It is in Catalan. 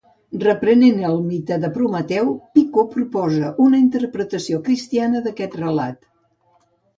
Reprenent el mite de Prometeu, Pico proposa una interpretació cristiana d'aquest relat.